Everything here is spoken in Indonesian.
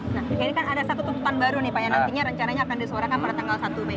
nah ini kan ada satu tuntutan baru nih pak yang nantinya rencananya akan disuarakan pada tanggal satu mei